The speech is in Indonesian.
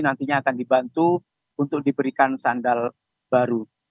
nantinya akan dibantu untuk diberikan sandal baru